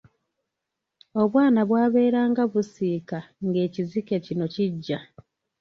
Obwana bwabeeranga busiika ng’ekizike kino kijja.